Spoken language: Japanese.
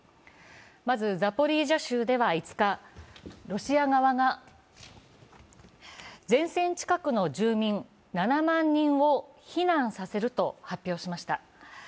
まずザポリージャ州では５日、ロシア側が前線近くの住民７万人を避難させると発表しました。